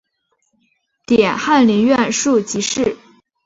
点翰林院庶吉士。